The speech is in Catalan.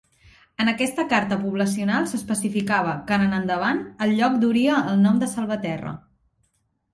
En aquesta carta poblacional s'especificava que en endavant el lloc duria el nom de Salvaterra.